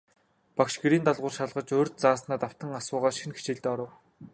Багш гэрийн даалгавар шалгаж, урьд зааснаа давтан асуугаад, шинэ хичээлдээ оров.